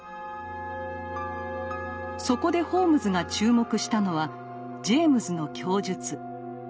そこでホームズが注目したのはジェイムズの供述。